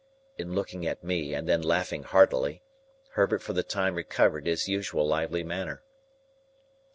In looking at me and then laughing heartily, Herbert for the time recovered his usual lively manner.